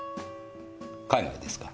海外ですか？